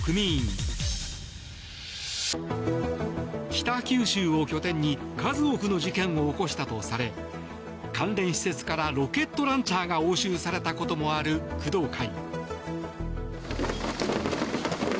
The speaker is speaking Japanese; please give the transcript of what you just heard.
北九州を拠点に数多くの事件を起こしたとされ関連施設からロケットランチャーが押収されたこともある工藤会。